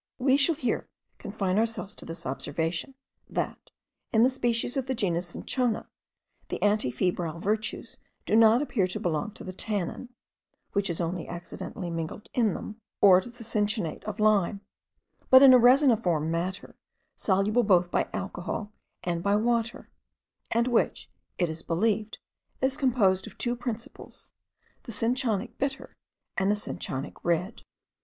We shall here confine ourselves to this observation, that, in the species of the genus cinchona, the antifebrile virtues do not appear to belong to the tannin (which is only accidentally mingled in them), or to the cinchonate of lime; but in a resiniform matter, soluble both by alcohol and by water, and which, it is believed, is composed of two principles, the cinchonic bitter and the cinchonic red.